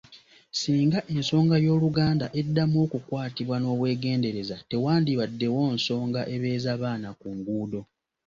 Singa ensonga y’oluganda eddamu okukwatibwa n’obwegendereza tewandibaddewo nsonga ebeeza baana ku nguudo.